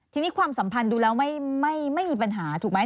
ทีนี้ความสัมพันธ์ดูแล้วไม่มีปัญหาถูกไหม